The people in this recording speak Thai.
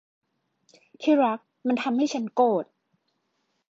ที่รัก มันทำให้ฉันโกรธ